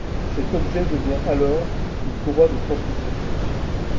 Cet objet devient alors une courroie de transmission.